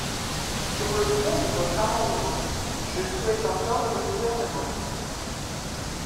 Sur le fond de votre amendement, je souhaite entendre le Gouvernement.